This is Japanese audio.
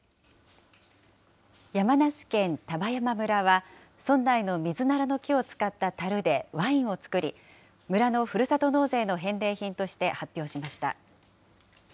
山梨県丹波山村は、村内のミズナラの木を使ったたるでワインを造り、村のふるさと納税の返礼品として発表しました。